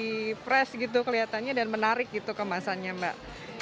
di press gitu kelihatannya dan menarik gitu kemasannya mbak